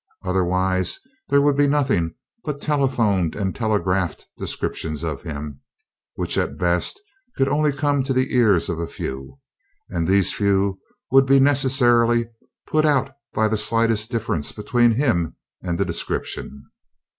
Otherwise, there would be nothing but telephoned and telegraphed descriptions of him, which, at best, could only come to the ears of a few, and these few would be necessarily put out by the slightest difference between him and the description.